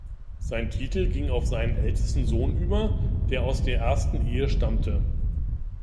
Sein Titel ging auf seinen ältesten Sohn über, der aus der ersten Ehe stammte.